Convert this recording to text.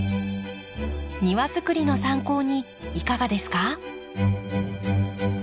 庭づくりの参考にいかがですか？